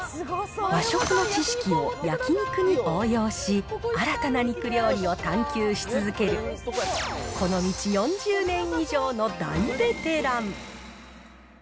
和食の知識を焼肉に応用し、新たな肉料理を探究し続ける、この道４０年以上の大ベテラン。